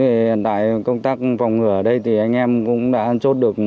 hiện tại công tác phòng ngừa ở đây thì anh em cũng đã chốt được